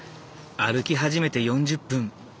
歩き始めて４０分。